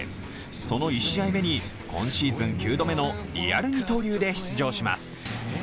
その１試合目に今シーズン９度目のリアル二刀流で出場します。